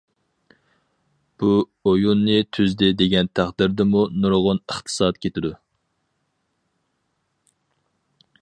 بۇ ئويۇننى تۈزدى دېگەن تەقدىردىمۇ نۇرغۇن ئىقتىساد كېتىدۇ.